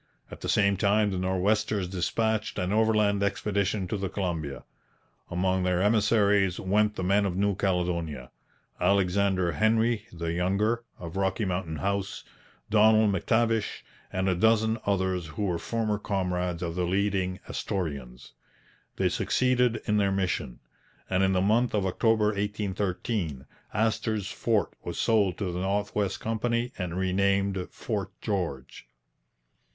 At the same time the Nor'westers dispatched an overland expedition to the Columbia. Among their emissaries went the men of New Caledonia, Alexander Henry (the younger) of Rocky Mountain House, Donald M'Tavish, and a dozen others who were former comrades of the leading Astorians. They succeeded in their mission, and in the month of October 1813 Astor's fort was sold to the North West Company and renamed Fort George.